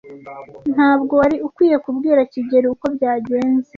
Ntabwo wari ukwiye kubwira kigeli uko byagenze.